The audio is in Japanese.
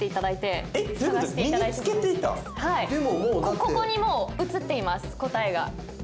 ここにもう写っています答えが。